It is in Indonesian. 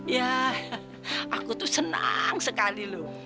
ya aku tuh senang sekali loh